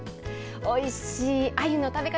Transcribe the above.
おいしいあゆの食べ方